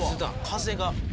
風が。